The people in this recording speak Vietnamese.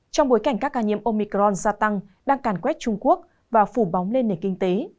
trong bối cảnh các ca nhiễm omicron gia tăng đang càn quét trung quốc và phủ bóng lên nền kinh tế